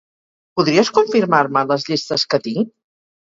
Podries confirmar-me les llistes que tinc?